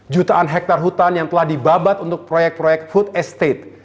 jutaan hektare hutan yang telah dibabat untuk proyek proyek food estate